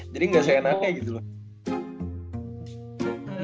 jadi gak seenaknya gitu loh